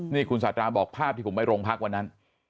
นี่คุณสาธาบอกภาพที่ผมไปโรงพักวันนั้น